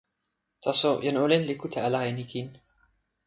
taso, jan olin li kute ala e ni kin.